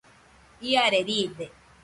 Iare riide